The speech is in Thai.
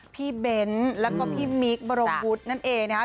เบ้นแล้วก็พี่มิ๊กบรมวุฒินั่นเองนะครับ